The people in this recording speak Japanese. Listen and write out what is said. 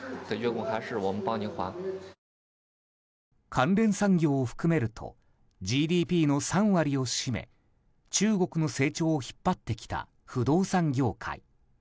関連産業を含めるとＧＤＰの３割を占め中国の成長を引っ張ってきた不動産業界。